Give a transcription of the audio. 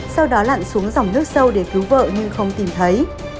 sau đó lặn xuống dòng nước sâu để cứu vợ nhưng không tìm thấy